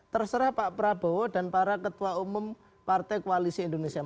terserah pak prabowo dan para ketua umum partai koalisi indonesia maju